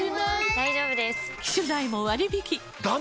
大丈夫です！